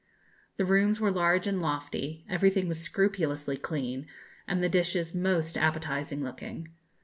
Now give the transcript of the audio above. The rooms were large and lofty, everything was scrupulously clean, and the dishes most appetising looking.